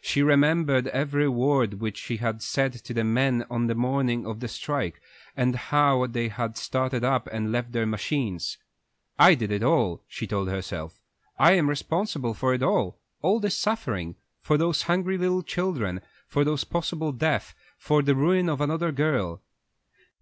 She remembered every word which she had said to the men on the morning of the strike, and how they had started up and left their machines. "I did it all," she told herself. "I am responsible for it all all this suffering, for those hungry little children, for that possible death, for the ruin of another girl."